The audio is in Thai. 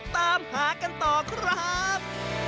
ตามหากันต่อครับ